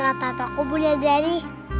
tidak apa apa bunda dari